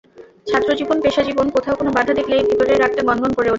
ছাত্রজীবন, পেশাজীবন কোথাও কোনো বাধা দেখলেই ভেতরের রাগটা গনগন করে ওঠে।